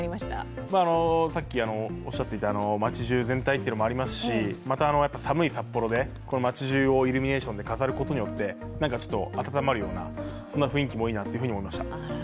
さっきおっしゃっていた街じゅう全体というのもありますしまた寒い札幌で街じゅうをイルミネーションで飾ることによって温まるような、そんな雰囲気も多いなと思いました。